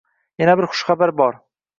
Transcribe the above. Yana bir xushxabar bor: